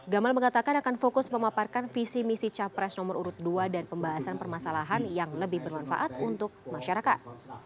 gamal mengatakan akan fokus memaparkan visi misi capres nomor urut dua dan pembahasan permasalahan yang lebih bermanfaat untuk masyarakat